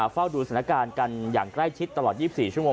เฝ้าดูสถานการณ์กันอย่างใกล้ชิดตลอด๒๔ชั่วโมง